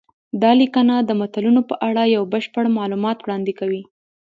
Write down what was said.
دا لیکنه د متلونو په اړه یو بشپړ معلومات وړاندې کوي